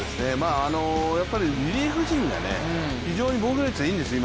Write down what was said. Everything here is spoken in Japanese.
やっぱりリリーフ陣が非常に防御率がいいんですよ